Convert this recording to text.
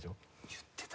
言ってた。